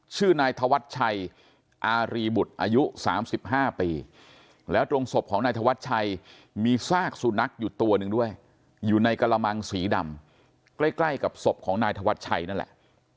ชื่อนายธวัชชัยอารีบุตรอายุ๓๕ปีแล้วตรงศพของนายธวัชชัยมีซากสุนัขอยู่ตัวหนึ่งด้วยอยู่ในกระมังสีดำใกล้กับศพของนายธวัชชัยนั่นแหละ